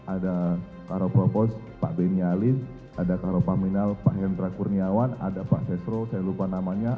ada karo propos pak ben yalin ada karo pahminal pak yandra kurniawan ada pak sesro saya lupa namanya